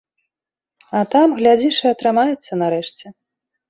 А там, глядзіш, і атрымаецца, нарэшце.